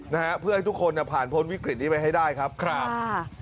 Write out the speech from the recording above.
นะฮะเพื่อให้ทุกคนน่ะผ่านพ้นวิกฤตนี้ไปให้ได้ครับครับค่ะ